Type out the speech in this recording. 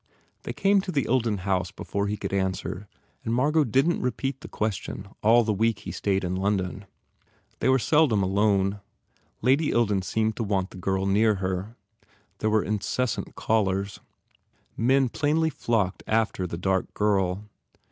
They came to the Ilden house before he could answer and Margot didn t repeat the question all the week he stayed in London. They were seldom alone. Lady Ilden seemed to want the girl near her. There were incessant callers. Men plainly flocked after the dark girl.